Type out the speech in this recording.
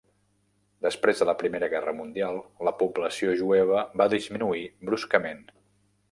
Després de la Primera Guerra Mundial, la població jueva va disminuir bruscament.